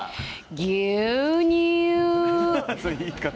牛乳。